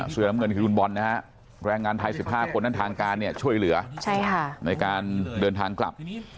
เสียรำเงินคุณบอลนะครับแรงงานไทย๑๕คนทางการช่วยเหลือในการเดินทางกลับ